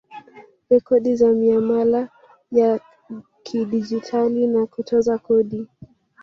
Rekodi za miamala ya kidigitali na kutoza kodi